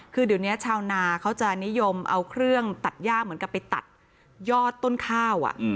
คือเดี๋ยวนี้ชาวนาเขาจะนิยมเอาเครื่องตัดย่าเหมือนกับไปตัดยอดต้นข้าว